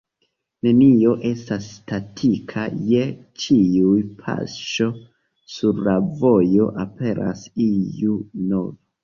Nenio estas statika, je ĉiu paŝo sur la vojo aperas iu nova.